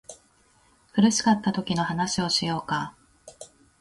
苦しかったときの話をしようか